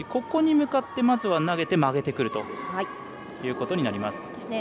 ここに向かって、まずは投げて曲げてくるということになります。